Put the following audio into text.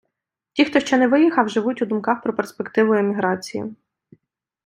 Ті, хто ще не виїхав, живуть в думках про перспективу еміграції.